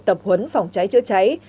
tập huấn phòng cháy chữa cháy